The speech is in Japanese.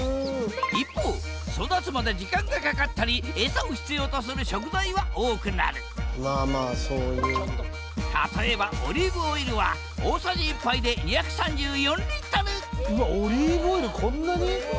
一方育つまで時間がかかったり餌を必要とする食材は多くなる例えばオリーブオイルは大さじ１杯で２３４リットルうわっオリーブオイルこんなに！